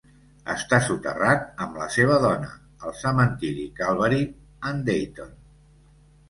Està soterrat amb la seva dona al cementeri Calvary en Dayton.